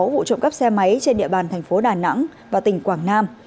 sáu vụ trộm cắp xe máy trên địa bàn thành phố đà nẵng và tỉnh quảng nam